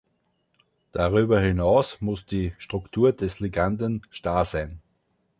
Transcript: Darüber hinaus muss die Struktur des Liganden starr sein.